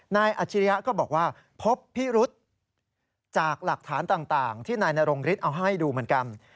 อาจริยะก็บอกว่าพบพิรุษจากหลักฐานต่างที่นายนรงฤทธิเอาให้ดูเหมือนกัน